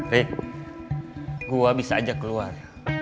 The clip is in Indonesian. rick gue bisa ajak keluar